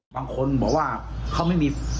บางคนบอกว่าเขาไม่มี